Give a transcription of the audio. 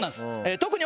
特に。